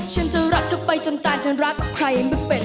ฉันจะรักเธอไปจนตายจนรักใครไม่เป็น